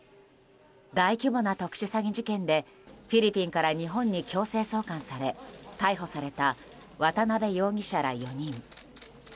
大規模な特殊詐欺事件でフィリピンから日本に強制送還され逮捕された渡邉容疑者ら４人。